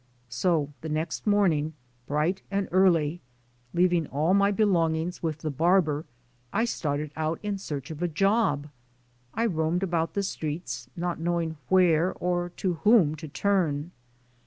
So the next morning bright and early, leaving all my belongings with the barber, I started out in search of a job. I roamed about the streets, not knowing where or to whom to turn.